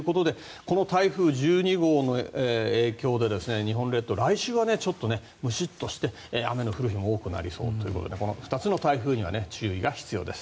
この台風１２号の影響で日本列島は来週はちょっとムシッとして雨の降る日が多くなるということで２つの台風に注意が必要です。